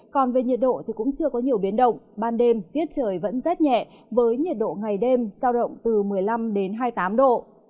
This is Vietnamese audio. còn về nhiệt độ thì cũng chưa có nhiều biến động ban đêm tiết trời vẫn rét nhẹ với nhiệt độ ngày đêm giao động từ một mươi năm đến hai mươi tám độ